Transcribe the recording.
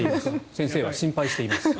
先生は心配しています。